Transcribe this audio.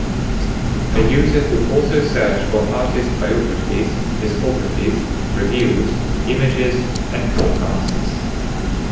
A user could also search for artist biographies, discographies, reviews, images, and podcasts.